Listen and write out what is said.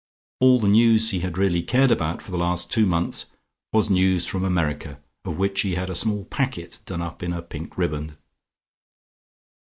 All the news he had really cared about for the last two months was news from America, of which he had a small packet done up in a pink riband.